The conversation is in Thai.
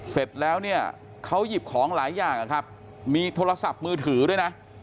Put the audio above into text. เสร็จแล้วเนี่ยเขาหยิบของหลายอย่างนะครับมีโทรศัพท์มือถือด้วยนะ